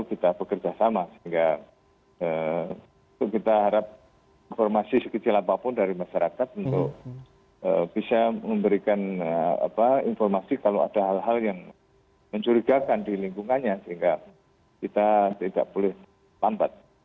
kita bekerja sama sehingga itu kita harap informasi sekecil apapun dari masyarakat untuk bisa memberikan informasi kalau ada hal hal yang mencurigakan di lingkungannya sehingga kita tidak boleh lambat